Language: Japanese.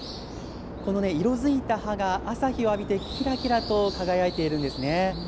この色づいた葉が朝日を浴びて、きらきらと輝いているんですね。